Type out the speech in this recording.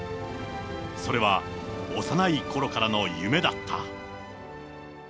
それは、幼いころからの夢だった。